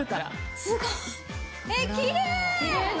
すごい。